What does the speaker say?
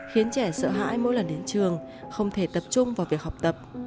khiến trẻ sợ hãi mỗi lần đến trường không thể tập trung vào việc học tập